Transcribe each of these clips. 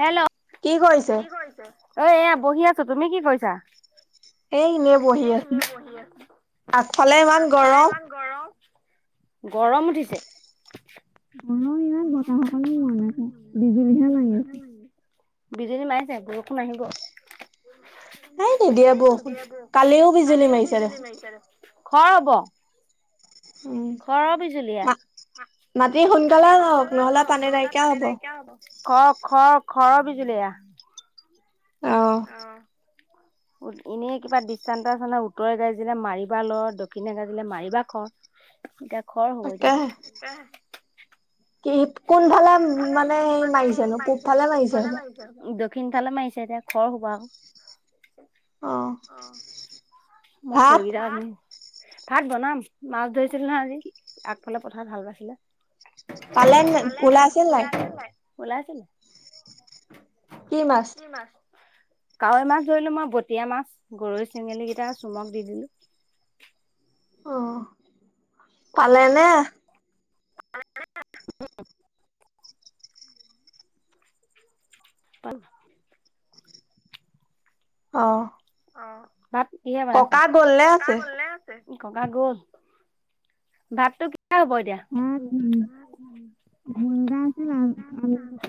Hello কি কৰিছ এ এয়া বহি আছো তুমি কি কৰিছা এই এনেই বহি আছো আগফালে ইমান গৰম গৰম উঠিছে বিজনী মাৰিছে আ গৌ [unintelligible] আহিব ততো দিয় দে কালিও বিজুলী মাৰিছোৰে খৰ [unintelligible] হব উম মা মাতি সোনকালে এ সোনকালে হওক নহলে পানী নাইকিয়া হব খক খক ঘৰ বিজুলীয়া অহ উ এনেই কিবা দৃষ্টান্ত আছে ন উত্তৰে গাজিলে মাৰিবা ল দক্ষিণে গাজিলে মাৰিবা খ এতিয়া ঘৰ হ'ব এতিয়া কি কোনফালে মানে সে মাৰিছেনো পূব ফালে মাৰিছে হব দক্ষিণফালে মাৰিছে এতিয়া খৰ হব আও অ মই খৰি কেইডাল আনি ভাত বনাম মাছ ধৰিছিল নহয় আজি আগফালে পথাৰত হাল বাইছিলে পালা নাই পোলা আছিল নাই পোলা আছিল কি মাছ কাৱৈ মাছ ধৰিলো মই বটীয়া মাছ গৰৈ চেঙেলী কেইটা চুমক দি দিলো অ পালেনে পালো অ অ ভাত কিহে বনাইছে ককা গল নে আছে ককা গল ভাতটো কি হব এতিয়া বন্দা আছে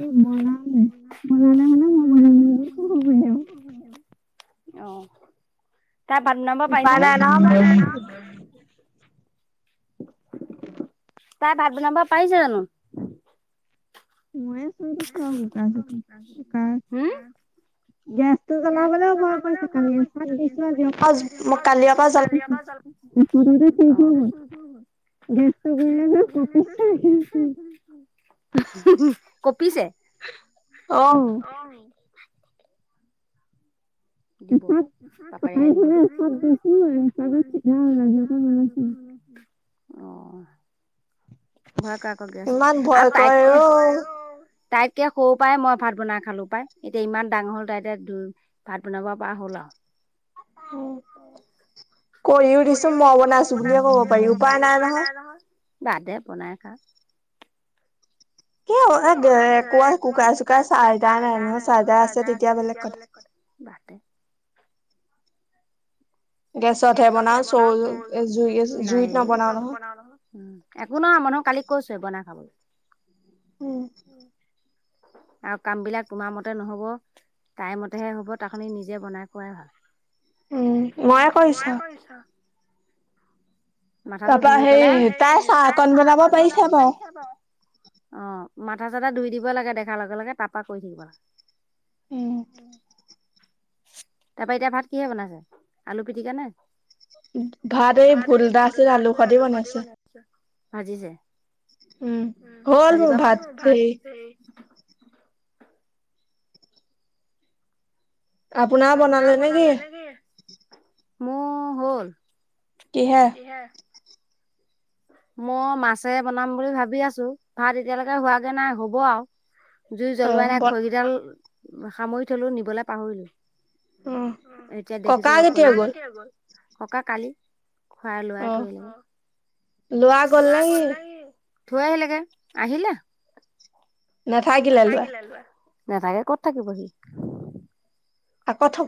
ব আ ন হুমহু অ তাৰ বাদ নাম্বৰ পাইছা নে তাই ভাত বনাব পাৰিছে জানো হম গেছটো জ্বলাবলো ভয় কৰিছে থ গে দিছো জই কালি এপ জলা অ কৰিব কপিছে দিব বাপেৰেহে দিবতো [inaudible] অ ঘৰ ক আকৌ গৈ আছ আৰু তাইতকে তাইতকে সৰু পৰাই মই ভাত বনাই খালো পাই এতিয়া ইমান ডাঙৰ হ'ল তাই এতিয়া ভাত বনাব পৰা হ'ল আও উ কৰিও দিছো মই বনাইছো বুলিয়ে ক'ব পাৰি উপায় নাই নহয় বাদদে বনাই খা কি এ কুকাৰ চুকাৰ চাৰ্জাৰ নাই ন চাৰ্জাৰ আছে তেতিয়া বেলেগ কথা গেছত হে বনাও চ জুইত নাই জুইত নবনাও নহয় একো নহ মন কালি কৈছোঁয়ে বনাই খাব উম আৰু কাম বিলাক তোমাৰ মতে নহব তাই মতেহে হ'ব তাৰ খনি নিজে বনাই খোৱাই ভাল। উম, নোৱাৰ কৰিছ? মাথাটো ধুই পেলাই হেৰীতাই চাহকন বনাব পাৰিছে বাৰু অহ । মাথা -চাথাা ধুই দিব লাগে দেখাৰ লগে- লগে তাৰপা কৰি থাকিব । উম তাৰপা এতিয়া ভাত কিহে বনাইছে আলু পিটিকা নে? ভাতে এই ভুল দা [unintelligible] উম আজি পা ভাত। আপোনাৰ বনালে নে কি। মোৰ হ'ল। কিহে [inaudible] মই মাছে বনাম বুলি ভাবি আছো ভাত এতিয়ালৈকে হোৱাগে নাই হ'ব আৰু। জুই জ্বলোৱা নাই খৰিডাল সামৰি থলো নিবলৈ পাহৰিলো। এতিয়া দেখিছো ককা কেতিয়া গ'ল? ককা কালি। খোৱা লোৱাই ধৰিলে। লোৱা গল নাকি? থৈ আহিলেগে আহিলে। নাথাকিলে লোৱাই, নাথাকে ক'ত থাকিব সি।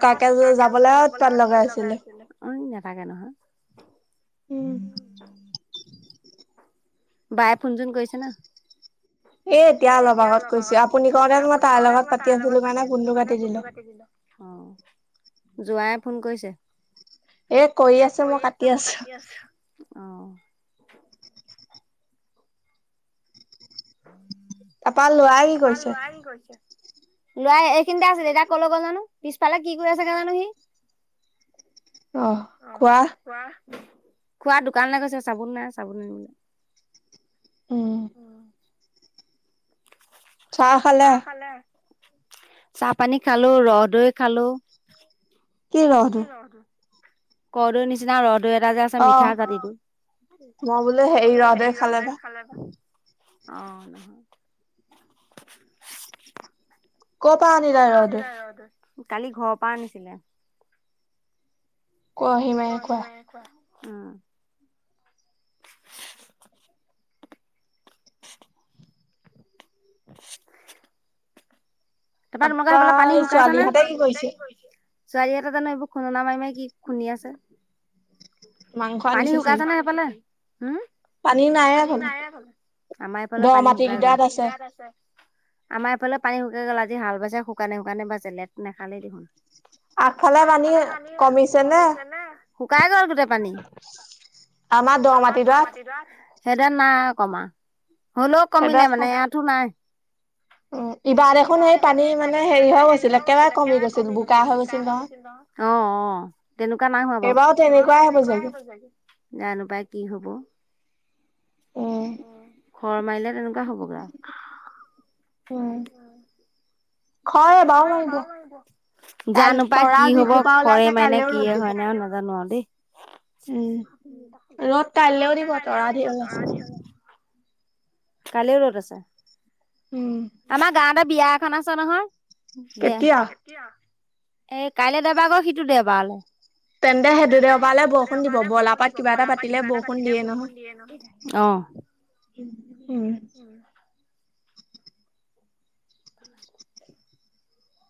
আকৌ থকাকে যাবলৈ অত ত'ত লগাই আছিলে অ' নেথাকে নহয়। [inaudible] বাই ফুঞ্জুন কৰিছে না? এ এতিয়া অলপ আগতেগৈছে আপুনি কওঁতে মই তাৰ লগত পাতি আছিলো কাৰণে ফোনটো কাটি দিলো। অহ, যোৱাই ফোন কৰিছে? এ কৰি আছে মই কাটি আছো। অহ তাৰাপা লোৱাই কি কৰিছে? লৰা এইখিনিতে আছিল এতিয়া ক'লে গল জানো পিছফালে কি কৰি আছোগে জানো সি অহ, কোৱা। খোৱা দোকানলৈ গৈছে চাবোন নাই চাবোন আনিব অহ চাহ খালে? চাহ- পানী খালো, ৰ'দৈ খালো। কি ৰহদৈ? কদৈ নিচিনা ৰদ দুই এটা যে আছে মিঠা জাতিটো [unintelligible] অহ নহয়। ক'ৰ পৰা আনিলা ৰহদৈ? কালি ঘৰৰ পৰা আনিছিলে। কোৱা সিমায়ে কোৱা। উম [inaudible] তাৰপৰা তোমালোকৰ সিফালে অলপ পানী শুকাইছ না? [unintelligible] চোৱালি এটা জানো এইবোৰ খুন্দনা মাৰি মাই কি খুণ্ডিয়াইছে। পানী শুকাইছে ন' সেইফালে? উম, পানী নায়ে এফালে আমাৰ এইফালে পানী শুকাই গল [unintelligible] আমাৰ এইফালে পানী শুকাই গল আজি হাল বাইছে শুকানে শুকানে বাইছে [unintelligible] নাখালেই দেখোন। আগফালে পানী কমিছে নে শুকাই গ'ল গোটেই পানী। আমাৰ দ মাটি দ আত। সেইদৰে নাই কমা হ'লেও কমিলে মানে ইয়াতো নাই। অ' অ' ইবাৰ দেখোন সেই পানী মানে হেৰি হৈ গৈছিল। একেবাৰে কমি গৈছিল। বোকা হৈ গৈছিল নহ অ' তেনেকুৱা নাই হোৱা বাৰু এইবাৰ তেনেকুৱাই জানো পাই কি হ'ব? ঘৰ মাৰিলে তেনেকুৱা হ'বগে। উম ঘ বাও মাৰিব কাই তৰা যিসোপা ওলাইছে ।কাইলৈও ৰ'দ দিব। [unintelligible] কালিও ৰত আছে। আমাৰ গাৱতে বিয়া এখন আছে নহয় দে কেতিয়া? এ কাইলৈ দেওবাৰ গৈ সিটো দেওবাৰলৈ তেন্তে সে দেওবালে বৰষুণ দিব। বলাপাত কিবা এটা পাতিলে বৰষুণ দিয়ে ন। অ' উ [inaudible]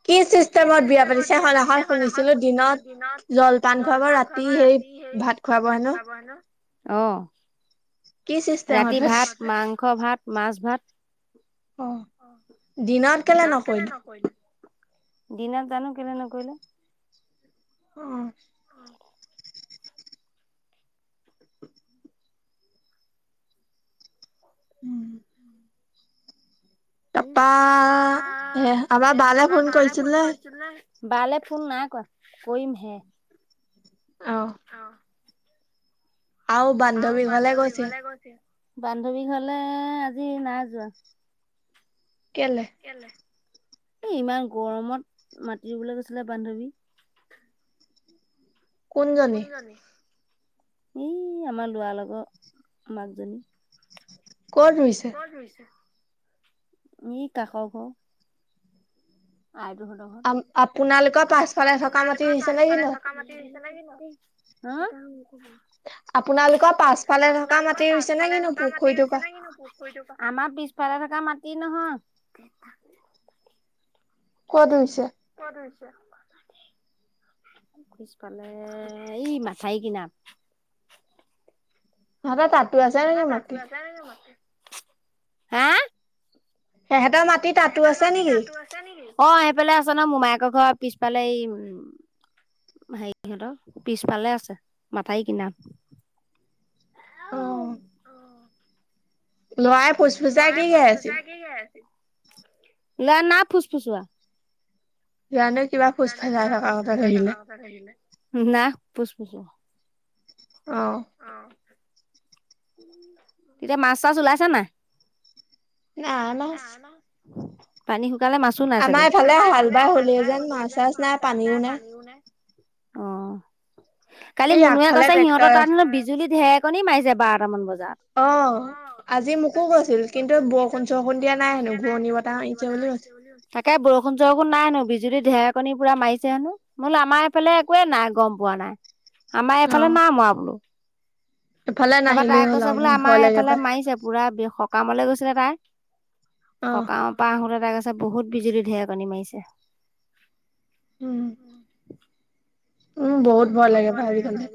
কি চিষ্টেমত বিয়া পাতিছে? শনাখন শুনিছিলো দিনত জলপান খুৱাব ৰাতি সেই ভাত খোৱাব হে ন আহ ৰাতি ভাত মাংস ভাত মাছ ভাত অ' দিনত কেলে নকৰিল দিনত জানো কেনে নকৰিলে অ' উম উম পাপা আমাৰ বালে ফোন কৰিছিল ন? বালে ফোন নাই কৰা কৰিম হে। অ' আও বান্ধৱী ঘৰলে গৈছে। বান্ধৱী ঘৰলে আজি নাই যোৱা। কেলে এ ইমান গৰমত মাতি ৰুবলৈ গৈছিলে বান্ধৱী। কোন জনী এই আমাৰ লৰা লগত মাকজনী কত ৰুইছ ই কাষৰ ঘৰৰ আপোনালোকৰ পাঁচকা ম লাগে হ আপোনালোকৰ পাছফালে থকা মাটি হৈছে নে কিন্তু পুখীটো আমাৰ পিছ পেলা থকা মাটি নহয় ক'ত ৰুইছে খোজ পালে এই মথাৰিৰ কিনাৰত তহতৰ তাত তাত আ তাতোাজাৰ মতে হা তাহঁতৰ মাটি তাঁতো আছে নেকি? অ' আহি পেলাই আছ ন মোমাই আ ঘৰ পিছফালে এই উম [inaudible] হেৰি সহঁতৰ পিছফালে আছে মথাই কিনা লৰাই ফুচফুচা কি আছিল লৰা না ফুচ ফুচোৱা জানো কিবা পুষ্ফা থকাতে থৰিলে ন পু। উ অ। তেতিয়া মাছ চাছ ওলাইছা নাই। ন লচ। পানী শুকাই। জালে মাছো নাই চাগে আমাৰ ইফালে হাল বাই হ'লে যেন মাছ চাছ নাই পানীও নাই। অ কালি মুনুুৱে কৈছে সিহঁতৰ তাত বিজুলী ঢেকণী মাৰিছে বাট। অ আজি মোকো কৈছিল কিন্তু বৰষুণ চৰষুণ দিয়া নাই হেনো ঘূৰণি বতাহ আহিছে। তাকে বৰষুণ বৰষুণ নাই হেনো। যদি ঢেৰেকনী পুৰা মাৰিছে হেনো বো আমাৰ এইফালে একোৱে নাই গম পোৱা নাই। আমাৰ এইফালে না মোৱা বোলো। তাপা তাই কৈছে বোলে আমাৰ এইফালে মাৰিছে পুৰা সকামলে গৈছিলে তাই। সকাৰ পৰা আহোতে তাই ক আছে বহুত বিজুলী ঢেৰকণী মাৰিছে। উ উম বহুত ভয় লাগে পায় আজিকালি।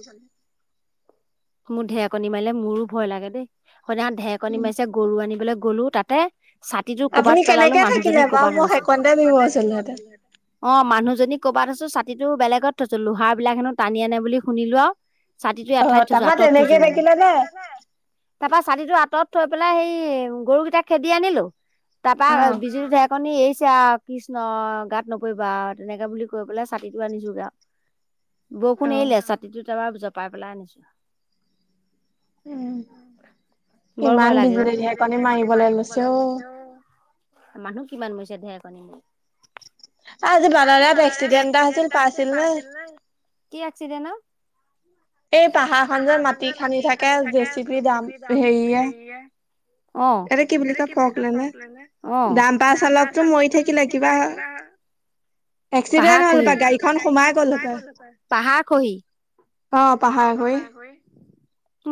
মোৰ ঢেকনি মাৰিলে মোৰো ভয় লাগে দেই। স ঢেকণী মাৰিছে গৰু আনিবলৈ গ'লো তাতে ছাতিটো কৰবাত পেলালো মানুহজনীক কৰবাত আছোঁ। অ মানুহী কবাত আছোঁ ছাট-। ছাটিটো বেলেগত থৈছো লোহাৰ বিলাক হেনো টানি আনে বুলি শুনিলো আও। ছাতিটো এঠাইত থৈজো আঁতত থৈজো মানে তাৰ পৰা ছাতিটো আঁতত। থৈ পেলাই সেই গৰুকেইটা খেদি আনিলো তাৰ পৰা বিজুলী ঢেৰেকনী এৰিছ। আও কৃষ্ণ গাত নপৰিবা তেনেকে বুলি কৈ পেলাই ছাতিটো আনিছো গে আও। বৰষুণ এৰিলে ছাতিটোত এবাৰ জপাই পেলাই আনিছো। উম। বৰ ভয় লাগে। ইমান জোৰ কৈ ঢেকনি মাৰিব লৈছে অ মানুহ কিমান মৰিছে ঢেকনি মাৰি। আজি বদাৰত এস্কিডেণ্টা এটা হৈছিল পাইছিলা নে? কি এস্কিডেণ্টা অ। এই পাহাৰ খন যে মাটি খান্দি থাকে জেচেপি দাম হেইয়ে। এ কি বুলি কয় ফক লানে দাম পা চালকতটো মৰি থাকিলে কিবা। এক্সিডেণ্ট হ'ল পা গাড়ীখন সোমাই গ'ল হ পাই। পাহাৰ খহি অ পাহাৰ খহি।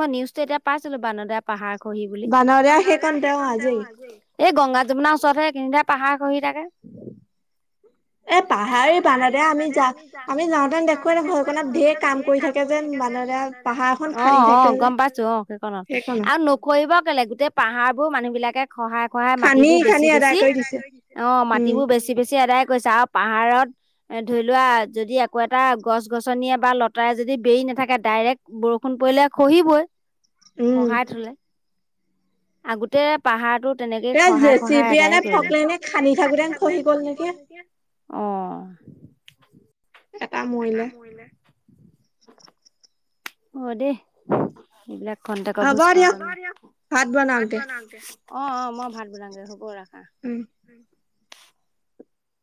মই নিউজটো এতিয়া পাইছিলো বানদা পাহাৰ। কি বুলি বানদা সেইকণ তেওঁৰ আজিৰ। এই গংগা যমুনাৰ ওচৰতহে কিনিধা পাহাৰ খহি থাকে। এ পাহাৰ পান দে আমি যা আমি যাওঁতেন দেখো এনে ঘৰখনত ঢেৰ কাম কৰি থাকে যে। অ অ গম পাইছো অ সেইকনত আৰু নুখৰিব কেলে গোটেই পাহাৰ বোৰ মানুহ বিলাকে। খহাই খহাই মাটিবোৰ বেছি বেছি অ মাটিবোৰ বেছি বেছি আদায় কৰিছে আ। পাহাৰত এ ধৰি লোৱা যদি একো এটা গছ গছনিয়ে বা লতাৰে যদি বেৰি নাথাকে ডাই-। ৰেক বৰষুণ পৰিলে খহিবই। খহাই থলে আগোতে পাহাৰটোত। তেনেকে খহা খহাই এদায় কৰি খান্দি থাকোতে চহি গল নেকি। অহ। এটা মৰিলে অ দেই এইবিলাক। কতেক ভুচ কাওতে ভাত বনাওঁ অ অ মই ভাত বনাংগে হ'ব ৰাখা।